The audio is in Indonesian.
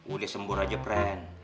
udah sembur aja preh